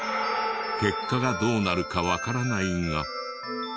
結果がどうなるかわからないが。